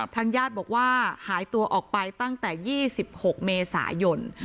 ทางญาติบอกว่าหายตัวออกไปตั้งแต่๒๖เมษายน